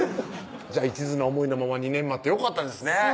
いちずな思いのまま２年待ってよかったですね